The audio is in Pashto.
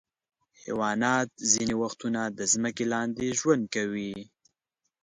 حیوانات ځینې وختونه د ځمکې لاندې ژوند کوي.